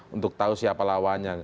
untuk tahu siapa lawannya